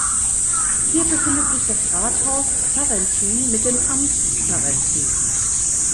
Hier befindet sich das Rathaus Zarrentin mit dem Amt Zarrentin.